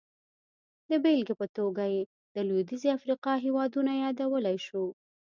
د بېلګې په توګه یې د لوېدیځې افریقا هېوادونه یادولی شو.